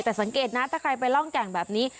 แต่สังเกตนะถ้าใครไปร่องแก่งแบบนี้